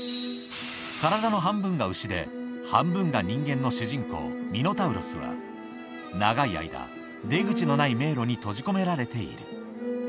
体の半分が牛で、半分が人間の主人公、ミノタウロスは、長い間、出口のない迷路に閉じ込められている。